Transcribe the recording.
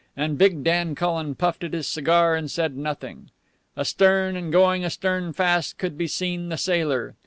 And big Dan Cullen puffed at his cigar and said nothing. Astern, and going astern fast, could be seen the sailor.